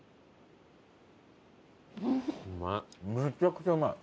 めちゃくちゃうまい。